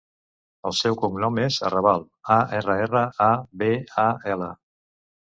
El seu cognom és Arrabal: a, erra, erra, a, be, a, ela.